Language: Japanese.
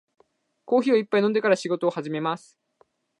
コーヒーを一杯飲んでから仕事を始めます。